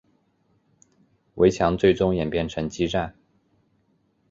围城最终演变成激战。